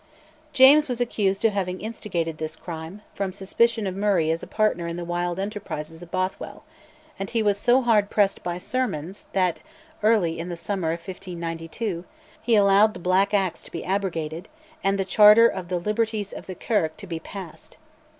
James was accused of having instigated this crime, from suspicion of Murray as a partner in the wild enterprises of Bothwell, and was so hard pressed by sermons that, in the early summer of 1592, he allowed the Black Acts to be abrogated, and "the Charter of the liberties of the Kirk" to be passed.